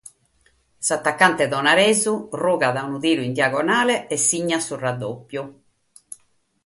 S'atacante tonaresu rugat unu tiru in diagonale e signat su raddòpiu.